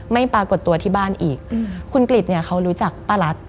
ไม่แปลกบันตัวที่บ้านอีกคุณกริจเขารู้จักปะรัส